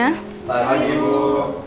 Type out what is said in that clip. selamat pagi bu